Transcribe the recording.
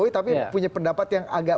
tapi punya pendapat yang agak